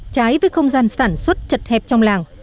trái với không gian sản xuất chật hẹp trong làng